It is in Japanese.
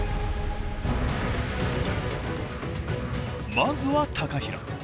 まずは平。